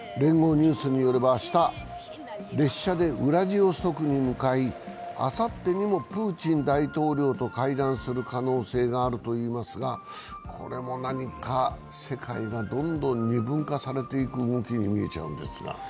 ニュースによれば明日列車でウラジオストクに向かい、あさってにもプーチン大統領と会談する可能性があるといいますがこれも何か世界がどんどん二分化されていく動きに見えちゃうんですが。